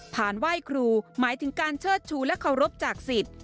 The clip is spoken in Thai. ไหว้ครูหมายถึงการเชิดชูและเคารพจากสิทธิ์